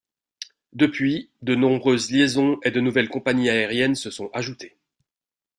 Depuis, de nombreuses liaisons et de nouvelles compagnies aériennes se sont ajoutées.